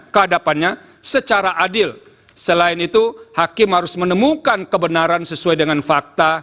kehadapannya secara adil selain itu hakim harus menemukan kebenaran sesuai dengan fakta